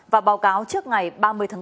và báo cáo trước ngày ba mươi tháng bốn